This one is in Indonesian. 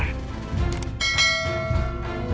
kita akan menggempurkan sukamana